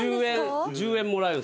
１０円もらえる